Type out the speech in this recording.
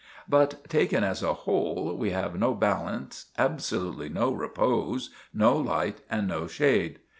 But, taken as a whole, we have no balance, absolutely no repose, no light, and no shade.